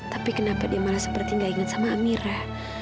tapi kenapa dia malah seperti gak inget sama amira